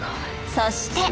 そして。